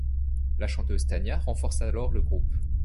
La chanteuse Tania renforce alors le groupe.